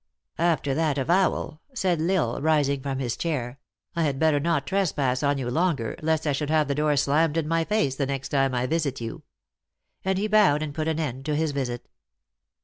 " After that avowal," said L Isle, rising from his chair, " I had better not trespass on you longer, lest I should have the door slammed in my face the next time I visit you." And he bowed and put an end to his visit."